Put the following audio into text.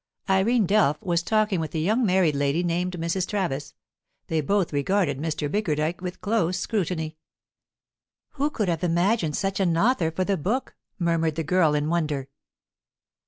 Irene Delph was talking with a young married lady named Mrs. Travis; they both regarded Mr. Bickerdike with close scrutiny. "Who could have imagined such an author for the book!" murmured the girl, in wonder.